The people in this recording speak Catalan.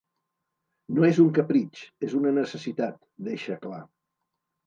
“No és un capritx, és una necessitat”, deixa clar.